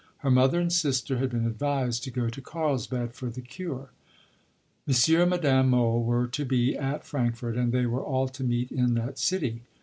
Her mother and sister had been advised to go to Carlsbad for the cure. M. and Madame Mohl were to be at Frankfurt, and they were all to meet in that city.